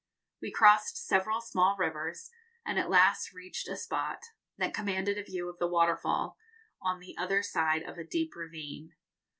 We crossed several small rivers, and at last reached a spot that commanded a view of the waterfall, on the other side of a deep ravine.